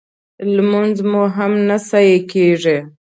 لمونځ مو هم نه صحیح کېږي